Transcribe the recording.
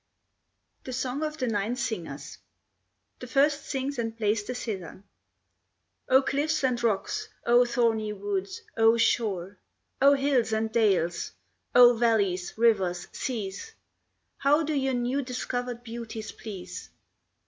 THE SONG OF THE NINE SINGERS [The first sings and plays the cithern.] O cliffs and rocks! O thorny woods! O shore! O hills and dales! O valleys, rivers, seas! How do your new discovered beauties please?